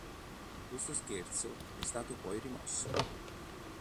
Questo scherzo è stato poi rimosso.